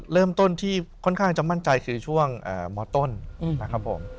เริ่มต้นที่ค่อนข้างจะมั่นใจคือช่วงมต้นนะครับผม